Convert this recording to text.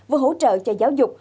vừa hỗ trợ cho giáo dục